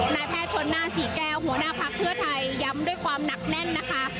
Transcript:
นายแพทย์ชนหน้าศรีแก้วหัวหน้าพักเพื่อไทยย้ำด้วยความหนักแน่นนะคะ